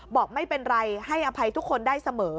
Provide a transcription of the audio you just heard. บอกไม่เป็นไรให้อภัยทุกคนได้เสมอ